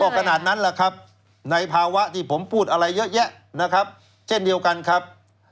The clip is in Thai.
ก็ขนาดนั้นแหละครับในภาวะที่ผมพูดอะไรเยอะแยะนะครับเช่นเดียวกันครับ